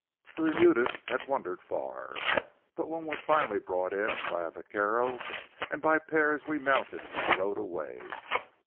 The remudas had wandered far, but one was finally brought in by a vaquero, and by pairs we mounted and rode away.